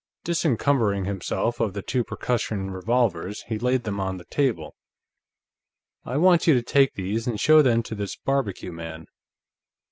Disencumbering himself of the two percussion revolvers, he laid them on the table. "I want you to take these and show them to this barbecue man.